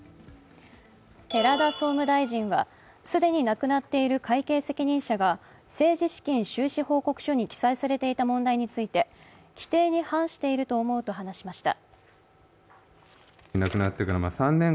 寺田総務大臣は既に亡くなっている会計責任者が政治資金収支報告書に記載されていた問題について、規定に反していると思うと話しました。